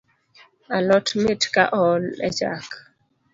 Alot mit ka ool e chak